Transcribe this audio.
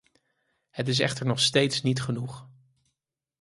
Het is echter nog steeds niet genoeg.